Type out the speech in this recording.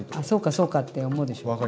そうかそうかって思うでしょ。